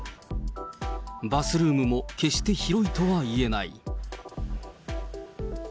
バスルームも決して広いとはいえない。